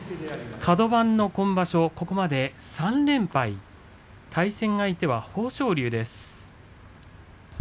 カド番の今場所、ここまで３連敗対戦相手は豊昇龍です。